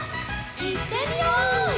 いってみよう！